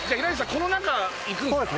この中行くんですか？